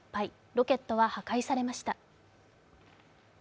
ロケットは破壊されました。